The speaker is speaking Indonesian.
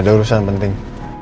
ada urusan penting